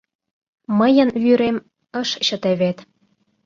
— Мыйын вӱрем: ыш чыте вет.